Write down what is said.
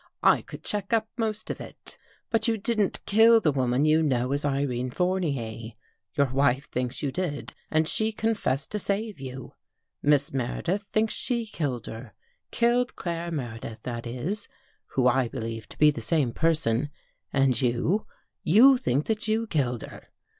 " I could check up most of It. But you didn't kill the woman you know as Irene Fournier. Your wife thinks you did and she confessed to save you. Miss Meredith thinks she killed her — killed Claire Meredith that Is, who I believe to be the same person, and you — you think that you killed her.